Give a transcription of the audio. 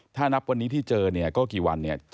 ถ้านับวันนี้ที่เจอเนี่ยก็กี่วันเนี่ย